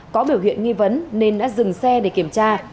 có biểu hiện nghi vấn nên đã dừng xe để kiểm tra